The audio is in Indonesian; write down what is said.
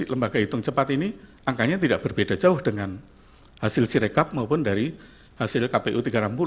lembaga hitung cepat ini angkanya tidak berbeda jauh dengan hasil sirekap maupun dari hasil kpu tiga ratus enam puluh